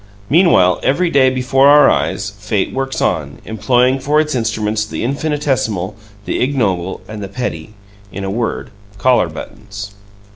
Meanwhile, every day before our eyes, fate works on, employing for its instruments the infinitesimal, the ignoble and the petty in a word, collar buttons.